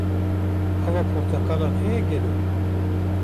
Ava porteqalan heye gelo?